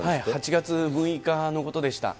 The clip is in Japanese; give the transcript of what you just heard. ８月６日のことでした。